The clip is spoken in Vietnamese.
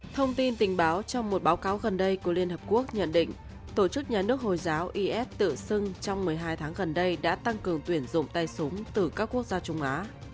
thông tin tình báo trong một báo cáo gần đây của liên hợp quốc nhận định tổ chức nhà nước hồi giáo is tự xưng trong một mươi hai tháng gần đây đã tăng cường tuyển dụng tay súng từ các quốc gia trung á